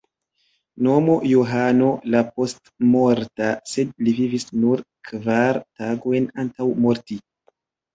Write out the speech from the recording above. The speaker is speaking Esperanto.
Nome Johano la Postmorta, sed li vivis nur kvar tagojn antaŭ morti.